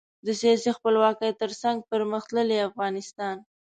د سیاسي خپلواکۍ ترڅنګ پرمختللي افغانستان.